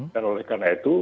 dan oleh karena itu